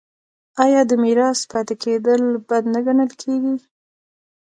آیا د میرات پاتې کیدل بد نه ګڼل کیږي؟